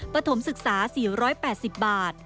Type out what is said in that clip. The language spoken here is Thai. ปฐมศึกษา๔๘๐บาท